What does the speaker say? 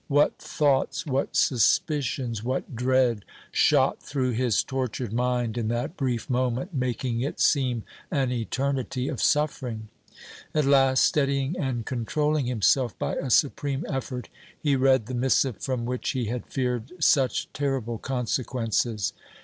What thoughts, what suspicions, what dread shot through his tortured mind in that brief moment, making it seem an eternity of suffering! At last, steadying and controlling himself by a supreme effort, he read the missive from which he had feared such terrible consequences.